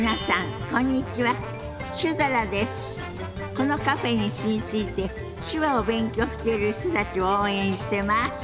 このカフェに住み着いて手話を勉強している人たちを応援してます。